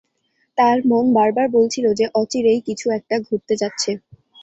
তার মন বারবার বলছিল যে, অচিরেই কিছু একটা ঘটতে যাচ্ছে।